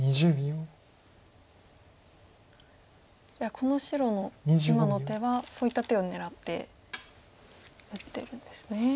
この白の今の手はそういった手を狙って打ってるんですね。